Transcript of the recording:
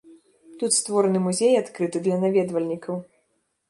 Тут створаны музей, адкрыты для наведвальнікаў.